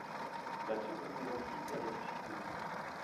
La Tchécoslovaquie est ressuscitée.